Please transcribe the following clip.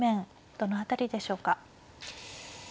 どの辺りでしょうか。